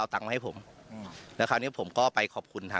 ตำรวจอีกหลายคนก็หนีออกจากจุดเกิดเหตุทันที